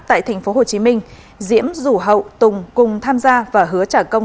tại tp hồ chí minh diễm dũ hậu tùng cùng tham gia và hứa trả công